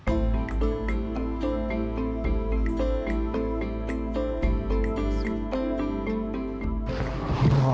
masjid sang cipta rasa